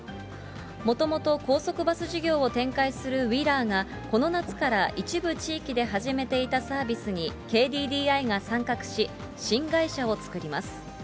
もともと高速バス事業を展開するウィラーがこの夏から一部地域で始めていたサービスに、ＫＤＤＩが参画し、新会社を作ります。